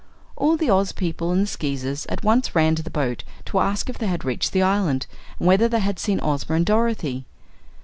All the Oz people and the Skeezers at once ran to the boat to ask if they had reached the island, and whether they had seen Ozma and Dorothy.